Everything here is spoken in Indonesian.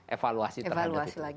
evaluasi terhadap itu